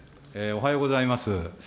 おはようございます。